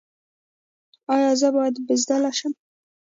ایا زه باید بزدل شم؟